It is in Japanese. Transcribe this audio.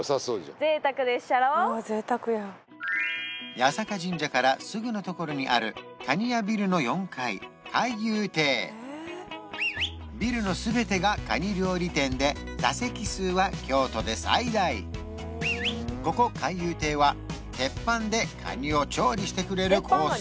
八坂神社からすぐのところにあるかに家ビルの４階ビルの全てがカニ料理店で座席数は京都で最大ここ蟹遊亭は鉄板でカニを調理してくれるコース